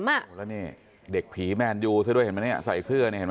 อีกนึงเด็กผีแมนดูเสื้อด้วยเห็นไหมใส่เสื้อ